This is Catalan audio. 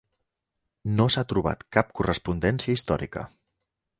No s'ha trobat cap correspondència històrica.